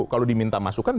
kalau diminta masukan